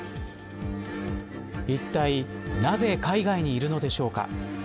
いったいなぜ海外にいるのでしょうか。